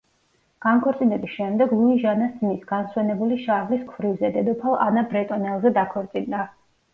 განქორწინების შემდეგ ლუი ჟანას ძმის, განსვენებული შარლის ქვრივზე, დედოფალ ანა ბრეტონელზე დაქორწინდა.